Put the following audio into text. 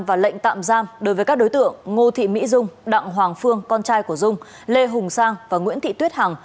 và lệnh tạm giam đối với các đối tượng ngô thị mỹ dung đặng hoàng phương con trai của dung lê hùng sang và nguyễn thị tuyết hằng